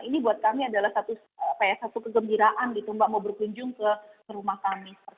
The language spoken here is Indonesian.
ini buat kami adalah satu kegembiraan gitu mbak mau berkunjung ke rumah kami